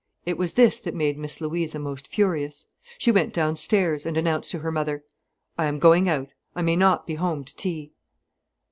It was this that made Miss Louisa most furious. She went downstairs, and announced to her mother: "I am going out. I may not be home to tea."